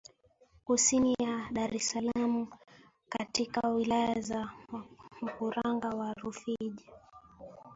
kusini ya Dar es salaam katika Wilaya za Mkuranga na Rufiji